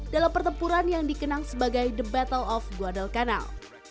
seribu sembilan ratus empat puluh dua dalam pertempuran yang dikenang sebagai the battle of guadalcanal